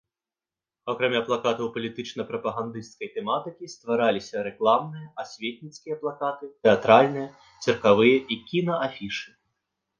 Акрамя плакатаў палітычна-прапагандысцкай тэматыкі, ствараліся рэкламныя, асветніцкія плакаты, тэатральныя, цыркавыя і кінаафішы.